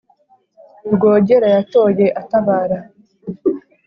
Rwogera yatoye atabara